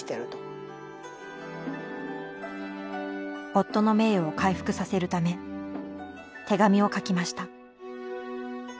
夫の名誉を回復させるため手紙を書きました。